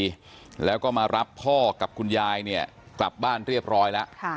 ไปแล้วก็มารับพ่อกับคุณยายเนี่ยกลับบ้านเรียบร้อยแล้ว